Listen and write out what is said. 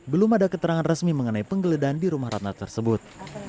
belum ada keterangan resmi mengenai penggeledahan di rumah ratna tersebut